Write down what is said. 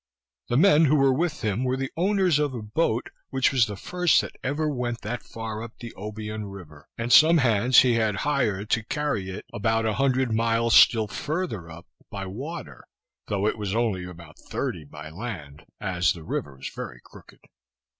The men who were with him were the owners of a boat which was the first that ever went that far up the Obion river; and some hands he had hired to carry it about a hundred miles still further up, by water, tho' it was only about thirty by land, as the river is very crooked.